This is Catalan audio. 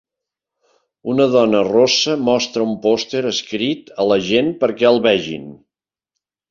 Una dona rossa mostra un pòster escrit a la gent perquè el vegin.